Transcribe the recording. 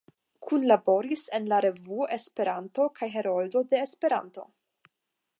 Kunlaboris en "La Revuo, Esperanto" kaj "Heroldo de Esperanto.